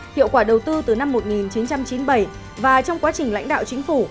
hiệu quả đầu tư từ năm một nghìn chín trăm chín mươi bảy và trong quá trình lãnh đạo chính phủ